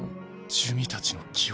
珠魅たちの記憶？